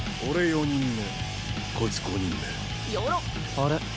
あれ？